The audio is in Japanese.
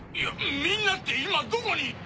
みんなって今どこに。